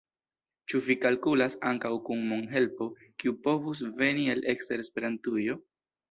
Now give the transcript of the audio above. Ĉu vi kalkulas ankaŭ kun mon-helpo kiu povus veni el ekster Esperantujo?